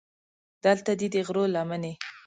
دلته دې د غرو لمنې.